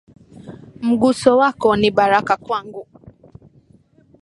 Mguso wako, ni baraka kwangu.